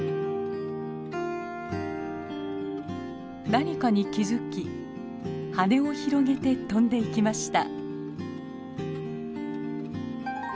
何かに気付き羽を広げて飛んでいきました。